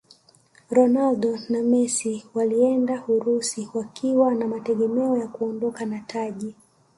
ronaldo na messi walienda urusi wakiwa na mategemeo ya kuondoka na taji